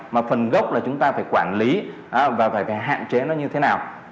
mà phần gốc là chúng ta phải quản lý và phải hạn chế nó như thế nào